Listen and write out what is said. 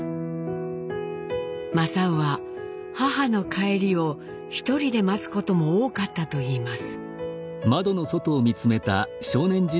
正雄は母の帰りを一人で待つことも多かったといいます。